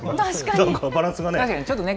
なんかバランスがね。